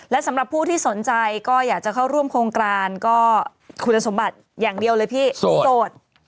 และสำหรับผู้ที่สนใจก็อยากจะเข้าร่วมโครงการก็คุณสมบัติอย่างเดียวเลยพี่โจทย์